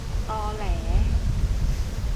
ตอแหล